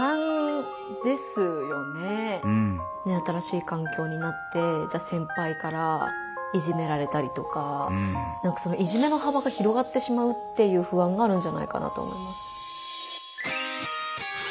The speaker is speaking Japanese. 新しい環境になってじゃ先輩からいじめられたりとかいじめの幅が広がってしまうっていう不安があるんじゃないかなと思います。